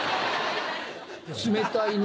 冷たいな。